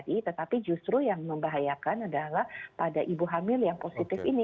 jadi tetapi justru yang membahayakan adalah pada ibu hamil yang positif ini